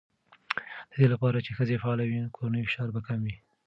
د دې لپاره چې ښځې فعاله وي، کورنی فشار به کم شي.